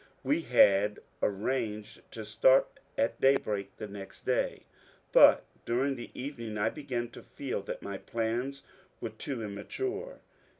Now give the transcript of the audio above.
We had ar ranged to start at daybi^k the next day. But during the evening I began to feel that my plans were too immature.